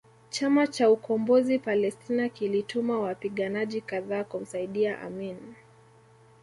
Chama cha Ukombozi Palestina kilituma wapiganaji kadhaa kumsaidia Amin